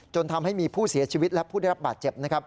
จนทำให้มีผู้เสียชีวิตและผู้ได้รับบาดเจ็บนะครับ